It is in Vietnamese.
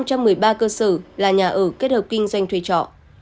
một năm trăm một mươi ba cơ sở là nhà ở kết hợp kinh doanh thuê trọ